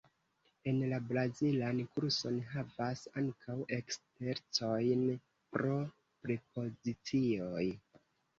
En la brazilan kurson havas ankaŭ eksercojn pro prepozicioj.